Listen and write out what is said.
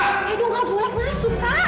kak aido gak boleh masuk kak